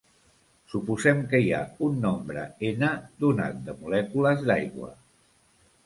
Suposem que hi ha un nombre "N" donat de molècules d'aigua.